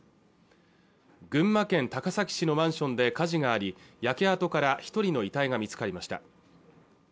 群馬県高崎市のマンションで火事があり焼け跡から一人の遺体が見つかりました